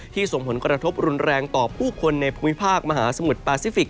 ส่งผลกระทบรุนแรงต่อผู้คนในภูมิภาคมหาสมุทรปาซิฟิกส